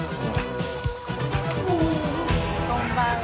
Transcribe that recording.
・こんばんは。